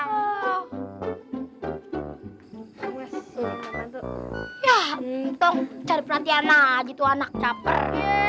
ya enteng cari perhatian lagi tuh anak caper